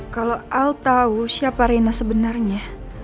kalau al tau siapa reina sebenarnya